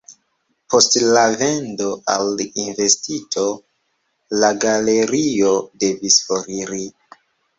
Post la vendo al invenstisto la galerio devis foriri.